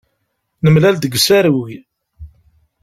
Nemlal-d deg usarug.